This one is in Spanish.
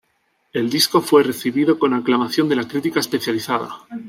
El disco fue recibido con aclamación de la crítica especializada.